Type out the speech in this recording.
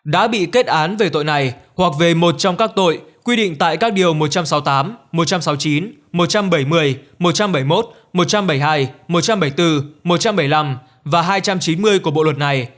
đã bị kết án về tội này hoặc về một trong các tội quy định tại các điều một trăm sáu mươi tám một trăm sáu mươi chín một trăm bảy mươi một trăm bảy mươi một một trăm bảy mươi hai một trăm bảy mươi bốn một trăm bảy mươi năm và hai trăm chín mươi của bộ luật này